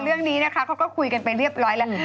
เรื่องนี้นะคะเขาก็คุยกันไปเรียบร้อยแล้ว